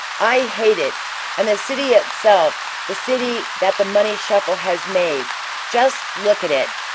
"I hate it! And the city itself, the city that the money shuffle has made just look at it!